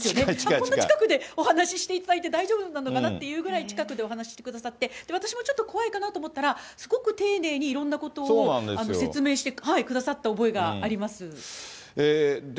こんな近くでお話していただいて大丈夫なのかなっていうぐらい近くでお話ししてくださって、私もちょっと怖いかなと思ったら、すごく丁寧にいろんなことを説明してくださった覚えがあります。